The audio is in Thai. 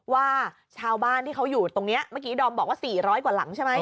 ว่าชาวบ้านที่เขาอยู่ตรงนี้เมื่อกี้ดอมบอกว่า๔๐๐กว่าหลังใช่ไหม